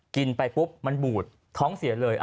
กินไปปุ๊บมันบูดท้องเสียเลย